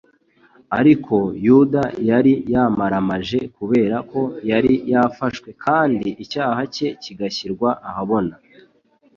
Ariko Yuda yari yamaramaje kubera ko yari yafashwe kandi icyaha cye kigashyirwa ahabona.